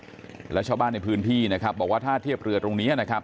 แล้วชาวบ้านในพื้นที่นะครับบอกว่าถ้าเทียบเรือตรงนี้นะครับ